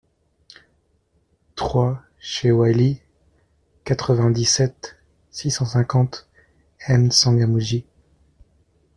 trois cHE WAILI, quatre-vingt-dix-sept, six cent cinquante, M'Tsangamouji